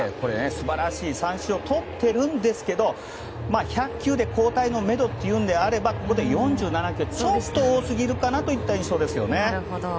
素晴らしい三振をとってるんですけど１００球で交代のめどというのであればここで４７球というのはちょっと多すぎるかなという印象ですね。